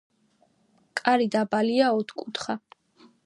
კარი დაბალია, ოთხკუთხა.